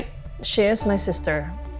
dia adalah adikku